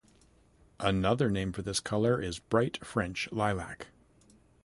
Another name for this color is bright French lilac.